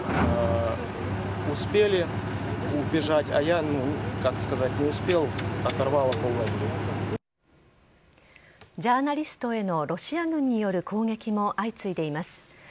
ジャーナリストへのロシア軍による攻撃も相次いでいます。